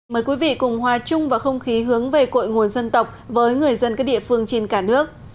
mời quý vị cùng hòa chung vào không khí hướng về cội nguồn dân tộc với người dân các địa phương trên cả nước